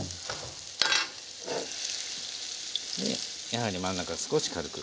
やはり真ん中少し軽く。